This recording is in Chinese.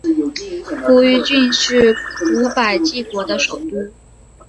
扶余郡是古百济国的首都。